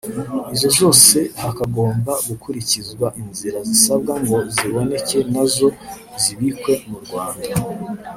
izo zose hakagomba gukurikizwa inzira zisabwa ngo ziboneke na zo zibikwe mu Rwanda